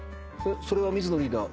それは水野リーダー